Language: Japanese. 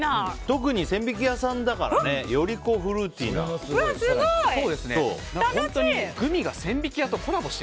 特に千疋屋さんだからよりフルーティーでね。